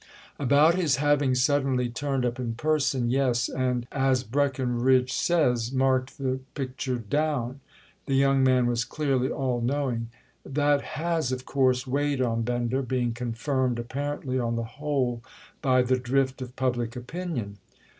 "About his having suddenly turned up in person, yes, and, as Breckenridge says, marked the picture down?"—the young man was clearly all knowing. "That has of course weighed on Bender—being confirmed apparently, on the whole, by the drift of public opinion."